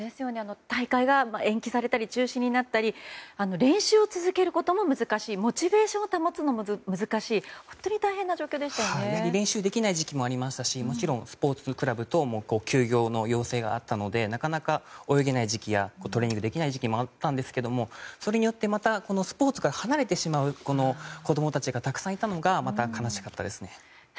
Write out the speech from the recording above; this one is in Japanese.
大会が延期されたり中止になったり練習を続けることも難しいモチベーションを保つのも難しい練習できない時期もありもちろんスポーツクラブ等も休業の要請があったのでなかなか泳げない時期やトレーニングできない時期もあったんですがそれによってスポーツから離れてしまう子供たちがたくさんいたのがまた悲しかったです。